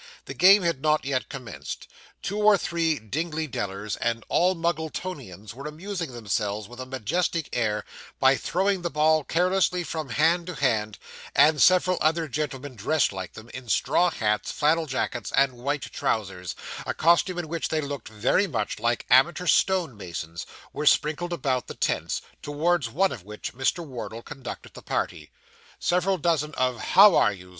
The game had not yet commenced. Two or three Dingley Dellers, and All Muggletonians, were amusing themselves with a majestic air by throwing the ball carelessly from hand to hand; and several other gentlemen dressed like them, in straw hats, flannel jackets, and white trousers a costume in which they looked very much like amateur stone masons were sprinkled about the tents, towards one of which Mr. Wardle conducted the party. Several dozen of 'How are you's?